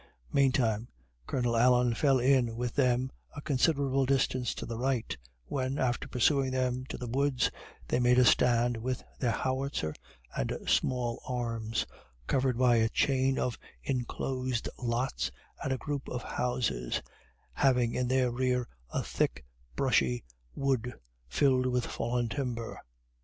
meantime, Colonel Allen fell in with them a considerable distance to the right, when, after pursuing them to the woods, they made a stand with their howitzer and small arms, covered by a chain of inclosed lots and a group of houses, having in their rear a thick brushy wood filled with fallen timber.